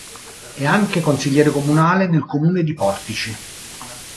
È anche consigliere comunale nel comune di Portici.